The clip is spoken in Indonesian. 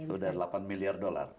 sudah delapan miliar dolar